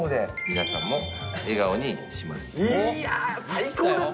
皆さんも笑顔にします。